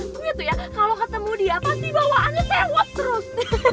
gue tuh ya kalau ketemu dia pasti bawaannya tewet terus